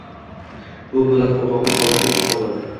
Bu millat qo'rqoqlik holatiga tushib qoladi.